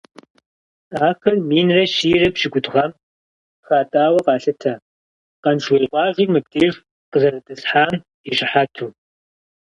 Ахэр минрэ щийрэ пщыкӀутху гъэм хатӀауэ къалъытэ, Къаншыуей къуажэр мыбдеж къызэритӀысхьам и щыхьэту.